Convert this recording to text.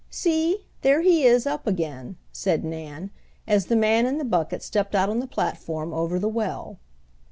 "See, there he is up again," said Nan, as the man in the bucket stepped out on the platform over the well.